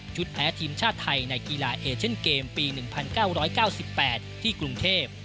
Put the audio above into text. จุดแอศทิมชาติไทยในกีฬาเอชั่นเกมปี๑๙๙๘ที่กรุงเทพฯ